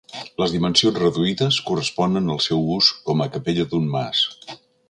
Les dimensions reduïdes corresponen al seu ús com a capella d'un mas.